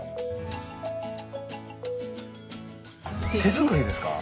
手作りですか？